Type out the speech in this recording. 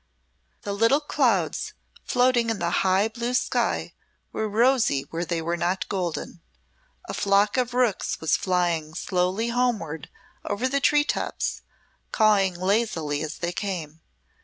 The little clouds floating in the high blue sky were rosy where they were not golden; a flock of rooks was flying slowly homeward over the tree tops, cawing lazily as they came.